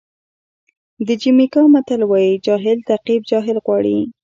د جمیکا متل وایي د جاهل تعقیب جاهل جوړوي.